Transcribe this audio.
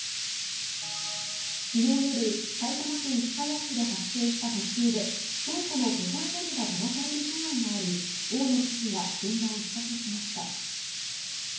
昨日夜、埼玉県深谷市で発生した突風で倉庫のトタン屋根が飛ばされる被害があり大野知事が現場を視察しました。